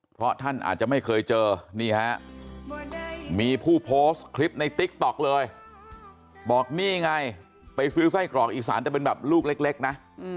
เพราะท่านอาจจะไม่เคยเจอนี่ฮะมีผู้โพสต์คลิปในติ๊กต๊อกเลยบอกนี่ไงไปซื้อไส้กรอกอีสานแต่เป็นแบบลูกเล็กนะ